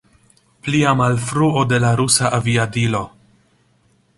Plia malfruo de la rusa aviadilo.